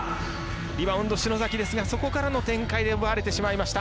リバウンド、篠崎ですがそこからの展開奪われてしまいました。